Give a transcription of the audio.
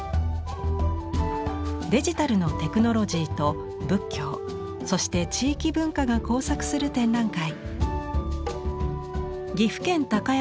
デジタルのテクノロジーと仏教そして地域文化が交錯する展覧会。